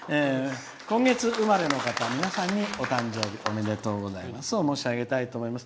今月生まれの方、皆さんにお誕生日おめでとうございますを申し上げたいと思います。